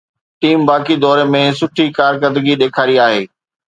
Team باقي دوري ۾ سٺي ڪارڪردگي ڏيکاري آهي.